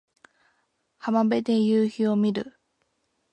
浜辺で夕陽を見る